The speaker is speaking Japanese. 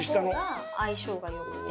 相性が良くて。